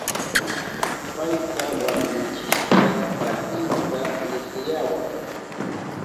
Payka waklichishka trahinta lihiyawa.